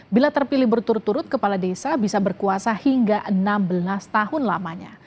bila terpilih berturut turut kepala desa bisa berkuasa hingga enam belas tahun lamanya